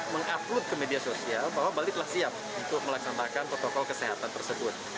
mengupload ke media sosial bahwa bali telah siap untuk melaksanakan protokol kesehatan tersebut